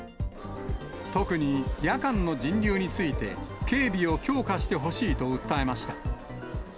特に夜間の人流について、警備を強化してほしいと訴えました。